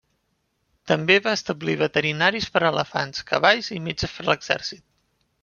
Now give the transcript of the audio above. També va establir veterinaris per elefants, cavalls i metges per l'exèrcit.